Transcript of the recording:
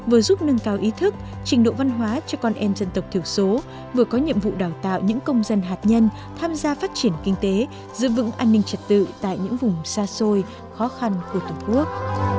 vừa giúp nâng cao ý thức trình độ văn hóa cho con em dân tộc thiểu số vừa có nhiệm vụ đào tạo những công dân hạt nhân tham gia phát triển kinh tế giữ vững an ninh trật tự tại những vùng xa xôi khó khăn của tổ quốc